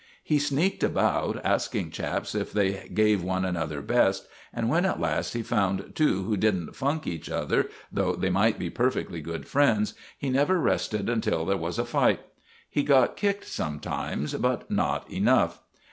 He sneaked about, asking chaps if they gave one another "best," and when at last he found two who didn't funk each other, though they might be perfectly good friends, he never rested until there was a fight. He got kicked sometimes, but not enough.